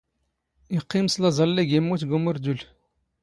ⵉⵇⵇⵉⵎ ⵙ ⵍⴰⵥ ⴰⵍⵍⵉⴳ ⵉⵎⵎⵓⵜ ⴳ ⵓⵎⵔⴷⵓⵍ.